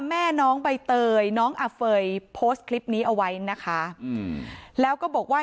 แม่น้องใบเตยน้องอเฟย์โพสต์คลิปนี้เอาไว้นะคะแล้วก็บอกว่า